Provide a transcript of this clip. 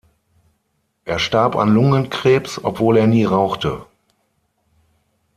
Er starb an Lungenkrebs, obwohl er nie rauchte.